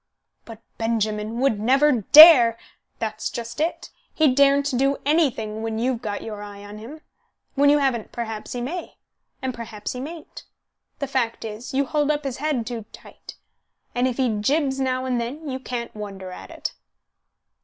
"But Benjamin would never dare " "That's just it. He daren't do anything when you've got your eye on him. When you haven't perhaps he may, and perhaps he mayn't. The fact is, you hold up his head too tight, and if he jibs now and then you can't wonder at it."